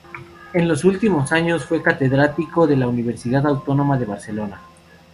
En los últimos años fue catedrático en la Universidad Autónoma de Barcelona.